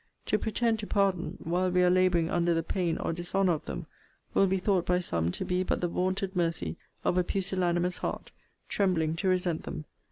To pretend to pardon, while we are labouring under the pain or dishonour of them, will be thought by some to be but the vaunted mercy of a pusillanimous heart, trembling to resent them.